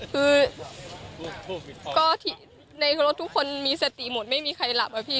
คือก็ในรถทุกคนมีสติหมดไม่มีใครหลับอะพี่